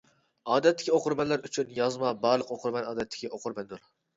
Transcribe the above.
ئادەتتىكى ئوقۇرمەنلەر ئۈچۈن يازما، بارلىق ئوقۇرمەن ئادەتتىكى ئوقۇرمەندۇر.